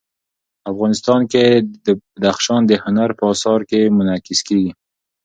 افغانستان کې بدخشان د هنر په اثار کې منعکس کېږي.